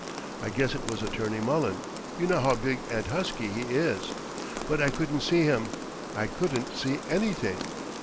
I guess it was Attorney Mullen you know how big and husky he is. But I couldn't see him. I couldn't see anything.